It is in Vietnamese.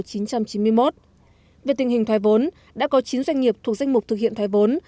về tình hình thoái vốn đã có chín doanh nghiệp thuộc danh mục thực hiện thoái vốn